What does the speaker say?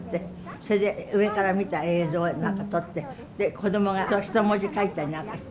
それで上から見た映像なんか撮ってでこどもが人文字書いたりなんかして。